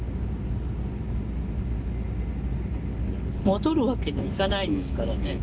戻るわけにいかないですからね。